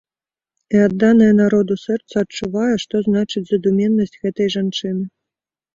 І адданае народу сэрца адчувае, што значыць задуменнасць гэтай жанчыны.